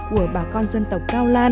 của bà con dân tộc cao lan